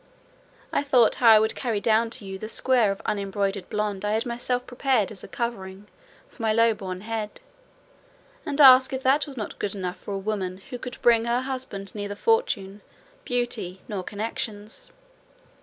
I thought how I would carry down to you the square of unembroidered blond I had myself prepared as a covering for my low born head, and ask if that was not good enough for a woman who could bring her husband neither fortune, beauty, nor connections.